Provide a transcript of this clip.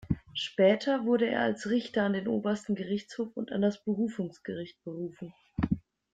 Später wurde er als Richter an den Obersten Gerichtshof und an das Berufungsgericht berufen.